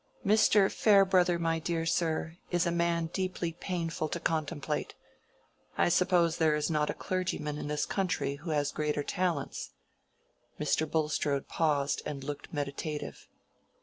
"Mr. Farebrother, my dear sir, is a man deeply painful to contemplate. I suppose there is not a clergyman in this country who has greater talents." Mr. Bulstrode paused and looked meditative.